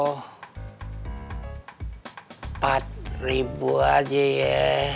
empat meter aja ya